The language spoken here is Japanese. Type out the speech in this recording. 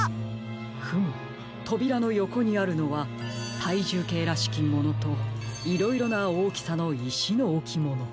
フムとびらのよこにあるのはたいじゅうけいらしきものといろいろなおおきさのいしのおきもの。